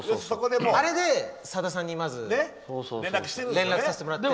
あれで、さださんにまず連絡させてもらって。